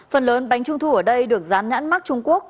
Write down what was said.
phần lớn bánh trung thu ở đây được gián nhãn mắc trung quốc